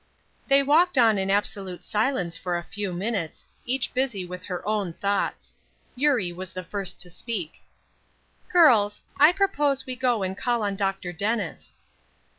THEY walked on in absolute silence for a few minutes, each busy with her own thoughts. Eurie was the first to speak: "Girls, I propose we go and call on Dr. Dennis."